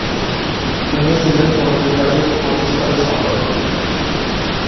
তিনি ছিলেন পত্রিকাটির প্রতিষ্ঠাতা সম্পাদক।